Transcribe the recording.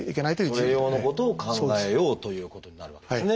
それ用のことを考えようということになるわけですね。